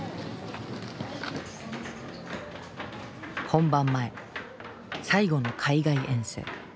本番前最後の海外遠征。